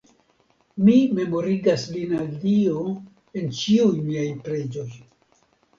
Mi memorigas lin al Dio en ĉiuj miaj preĝoj.